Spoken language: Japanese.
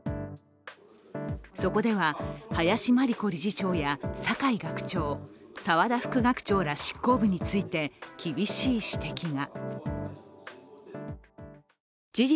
そこでは林真理子理事長や酒井学長、澤田副学長ら執行部について厳しい指摘が。